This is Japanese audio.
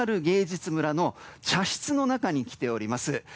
芸術村の茶室の中に来ております。